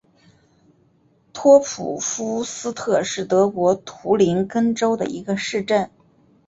托普夫斯特是德国图林根州的一个市镇。